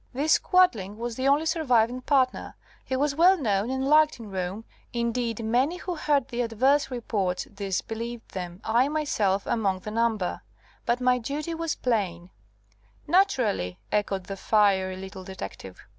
"This Quadling was the only surviving partner. He was well known and liked in Rome, indeed, many who heard the adverse reports disbelieved them, I myself among the number. But my duty was plain " "Naturally," echoed the fiery little detective.